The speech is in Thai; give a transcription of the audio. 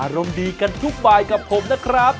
รมดีกันทุกบายกับผมนะครับ